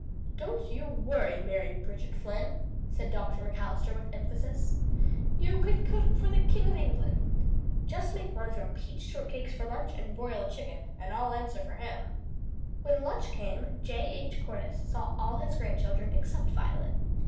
"Don't you worry, Mary Bridget Flynn," said Dr. McAllister with emphasis. "You could cook for the King of England! Just make one of your peach shortcakes for lunch and broil a chicken, and I'll answer for him." When lunch time came J. H. Cordyce saw all his grandchildren except Violet.